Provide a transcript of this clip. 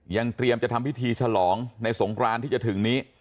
ยังเตรียมจะทำพิธีฉลองในสงครานที่จะถึงนี้